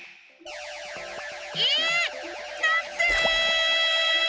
えなんで？